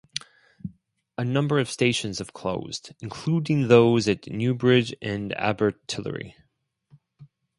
A number of stations have closed, including those at Newbridge and Abertillery.